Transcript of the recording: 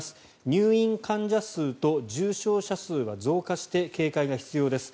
入院患者数と重症者数は増加して警戒が必要です。